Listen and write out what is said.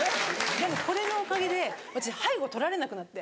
でもこれのおかげで私背後取られなくなって。